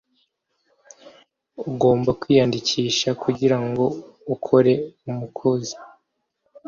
ugomba kwiyandikisha kugirango ukore umukozi